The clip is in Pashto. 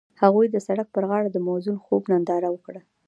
هغوی د سړک پر غاړه د موزون خوب ننداره وکړه.